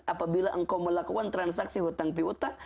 apabila engkau melakukan transaksi hutang pihutang